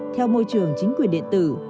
theo môi trường chính quyền điện tử